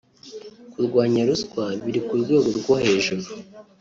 Kurwanya ruswa biri ku rwego rwo hejuru